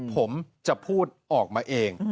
ผมจะพูดออกมาเอง